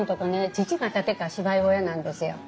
父が建てた芝居小屋なんですよ。